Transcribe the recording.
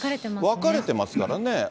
分かれてますからね。